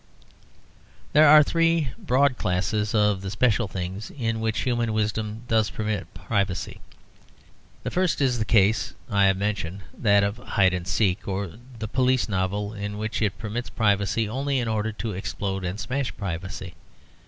There are three broad classes of the special things in which human wisdom does permit privacy. The first is the case I have mentioned that of hide and seek, or the police novel, in which it permits privacy only in order to explode and smash privacy.